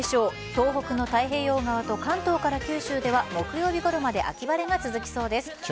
東北の太平洋側と関東から九州では木曜日ごろまで秋晴れが続きそうです。